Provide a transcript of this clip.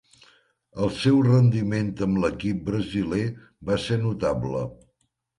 El seu rendiment amb l'equip brasiler va ser notable.